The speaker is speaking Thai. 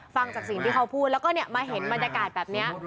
ฟังจากสิ่งที่เขาพูดแล้วก็มาเห็นบรรยากาศแบบนี้